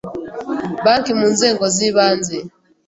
banki mu nzego z ibanze